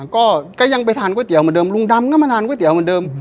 ก็ยังไปทานก๋วเหมือนเดิมลุงดำก็มาทานก๋วเตี๋ยเหมือนเดิม